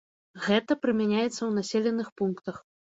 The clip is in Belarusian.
Гэта прымяняецца ў населеных пунктах.